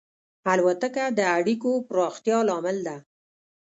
الوتکه د اړیکو پراختیا لامل ده.